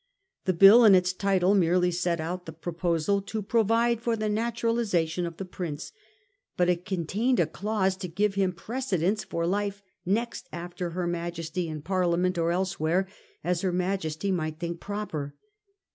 The bill in its title merely set out the propo sal to provide for the naturalisation of the Prince ; but it contained a clause to give him precedence for life 'next after her Majesty, in Parliament or else where, as her Majesty might think proper.